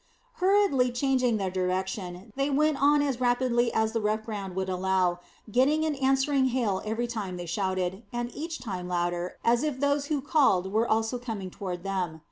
Hurriedly changing their direction, they went on as rapidly as the rough ground would allow, getting an answering hail every time they shouted, and each time louder, as if those who called were also coming toward them.